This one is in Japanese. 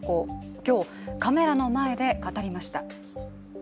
今日、カメラの前で語りました。